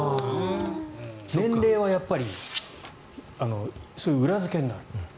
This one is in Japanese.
年齢はやっぱりそういう裏付けになると。